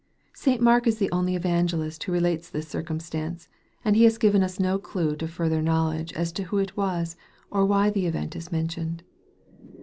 St. Mark is the only evangelist who relates this circumstance : and he has given us no clue to further knowledge as to who it was, or why the event is mentioned.